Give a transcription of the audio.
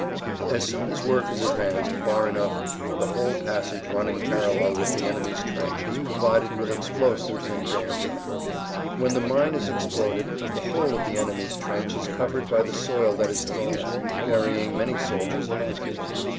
As soon as work is advanced far enough the whole passage running parallel with the enemy's trench is provided with explosives and dammed up. When the mine is exploded the whole of the enemy's trench is covered by the soil that is thrown up, burying many soldiers alive.